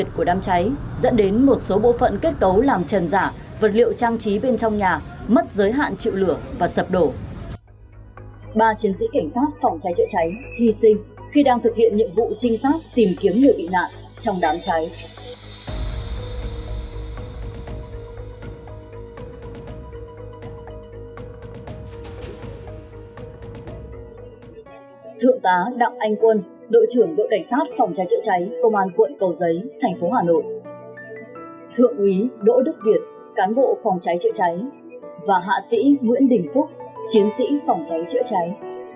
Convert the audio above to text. nguyễn đình phúc chiến sĩ phòng cháy chữa cháy